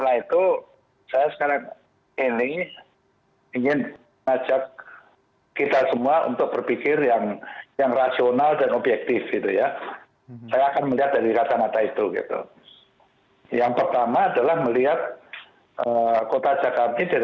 masyarakat harus bertanggung jawab juga terhadap banjir